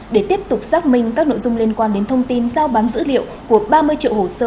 để tiếp tục xác minh các nội dung liên quan đến thông tin giao bán dữ liệu của ba mươi triệu hồ sơ